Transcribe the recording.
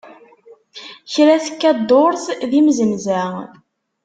Kra tekka ddurt d imzenza.